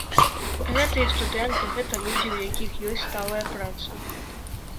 Гэта і студэнты, гэта людзі, у якіх ёсць сталая праца.